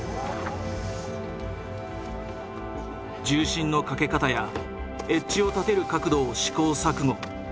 重心のかけ方やエッジを立てる角度を試行錯誤。